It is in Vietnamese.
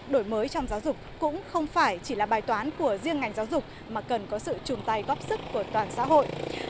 đổi mới trong giáo dục cũng không phải chỉ là bài toán của riêng ngành giáo dục mà cần có sự chung tay góp sức của toàn xã hội